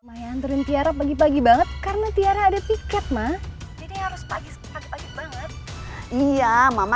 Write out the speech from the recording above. maya antuin tiara pagi pagi banget karena tiara ada tiket mah jadi harus pagi pagi banget iya mama